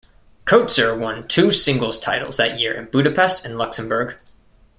Coetzer won two singles titles that year in Budapest and Luxembourg.